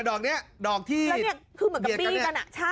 ดอกนี้ดอกที่เหมือนกับปีนกันนะ